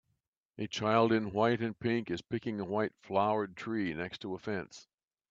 A child in white and pink is picking a white flowered tree next to a fence.